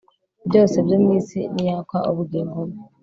byose byo mu isi niyakwa ubugingo bwe